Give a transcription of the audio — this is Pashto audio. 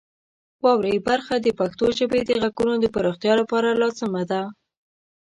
واورئ برخه د پښتو ژبې د غږونو د پراختیا لپاره لازمه ده.